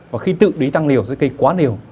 và khi tự ý tăng liều sẽ gây quá liều